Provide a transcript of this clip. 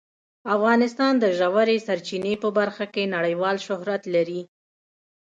افغانستان د ژورې سرچینې په برخه کې نړیوال شهرت لري.